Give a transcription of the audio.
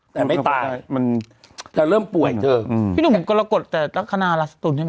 แต่ไม่ตายมันจะเริ่มป่วยเธออืมพี่หนุ่มกรกฎแต่ลักษณะลาสตุลใช่ไหม